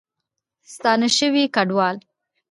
ستانه شوي کډوال